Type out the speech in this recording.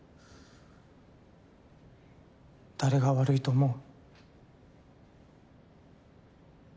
誰が悪いと思う？